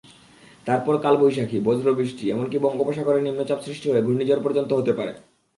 তারপর কালবৈশাখী, বজ্রবৃষ্টি, এমনকি বঙ্গোপসাগরে নিম্নচাপ সৃষ্টি হয়ে ঘূর্ণিঝড় পর্যন্ত হতে পারে।